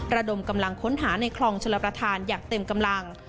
ระดมกำลังค้นหาในคลองชลประธานอย่างเต็มกำลัง